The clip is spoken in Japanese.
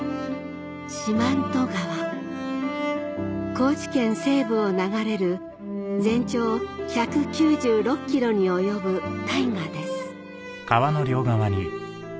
高知県西部を流れる全長１９６キロに及ぶ大河です